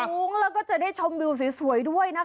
สูงแล้วก็จะได้ชมวิวสวยด้วยนะคะ